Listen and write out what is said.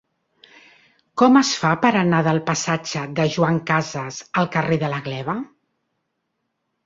Com es fa per anar del passatge de Joan Casas al carrer de la Gleva?